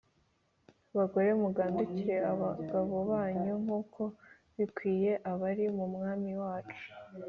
Bagore mugandukire abagabo banyu nk’uko bikwiriye abari mu Mwami wacu